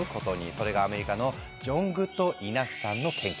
それがアメリカのジョン・グッドイナフさんの研究。